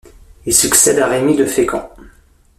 Il succède à Rémi de Fécamp.